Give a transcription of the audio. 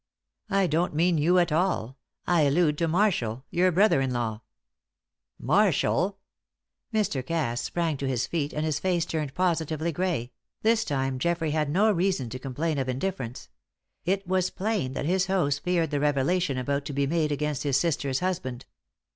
"I don't mean you at all. I allude to Marshall your brother in law." "Marshall!" Mr. Cass sprang to his feet and his face turned positively grey; this time Geoffrey had no reason to complain of indifference: it was plain that his host feared the revelation about to be made against his sister's husband.